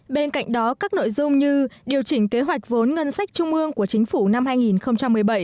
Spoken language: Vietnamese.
bên cạnh đó các nội dung như điều chỉnh kế hoạch vốn ngân sách trung ương của chính phủ năm hai nghìn một mươi bảy